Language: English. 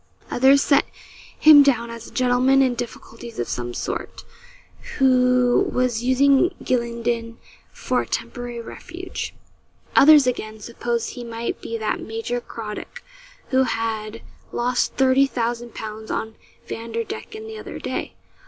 Others set him down as a gentleman in difficulties of some sort, who was using Gylingden for a temporary refuge. Others, again, supposed he might be that Major Craddock who had lost thirty thousand pounds on Vanderdecken the other day.